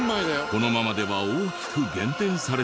このままでは大きく減点されてしまう。